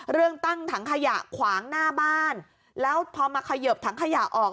เรื่องตั้งถังขยะขวางหน้าบ้านแล้วพอมาเขยิบถังขยะออก